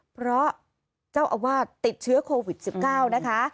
เพราะเจ้าอาวาสติดเชื้อโควิด๑๙นะคะ